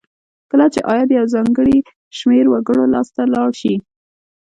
کله چې عاید یو ځانګړي شمیر وګړو لاس ته لاړ شي.